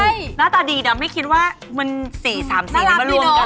หน้าตาดีแล้วไม่คิดว่ามันสีสามสีนี้มาร่วมกัน